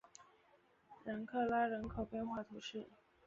然克拉人口变化图示